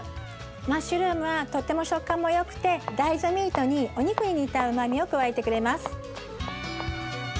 マッシュルームはとても食感もよくて大豆ミートにお肉に似たうまみを加えてくれます。